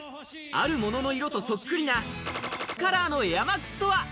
あるものの色とそっくりなカラーのエアマックスとは？